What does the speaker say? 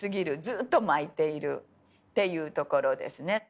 ずっと巻いているっていうところですね。